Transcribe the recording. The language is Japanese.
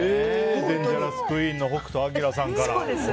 デンジャラスクイーンの北斗晶さんから。